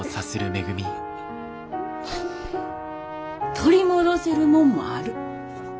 取り戻せるもんもある。